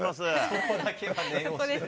そこだけは念押しで。